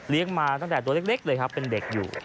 เลี้ยงมาตั้งแต่ตัวเล็กเลยเป็นเด็กอยู่